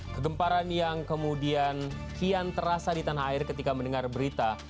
kegemparan yang kemudian kian terasa di tanah air ketika mendengar berita